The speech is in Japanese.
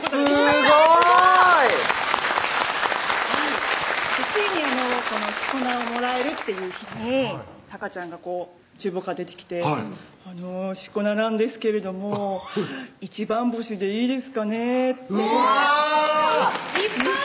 すごい！ついに四股名をもらえるっていう日にたかちゃんがこう厨房から出てきて「あの四股名なんですけれども一番星でいいですかね」ってうわぁ！